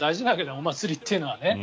お祭りというのはね。